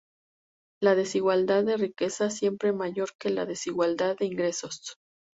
La desigualdad de riqueza es siempre mayor que la desigualdad de ingresos.